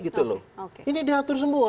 ini diatur semua